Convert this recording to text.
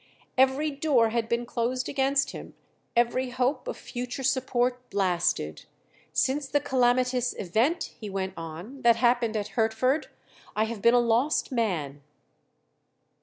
"Every door had been closed against him, every hope of future support blasted. Since the calamitous event," he went on, "that happened at Hertford, I have been a lost man."